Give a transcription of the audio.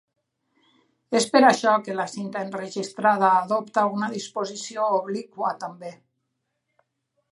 És per això que la cinta enregistrada adopta una disposició obliqua també.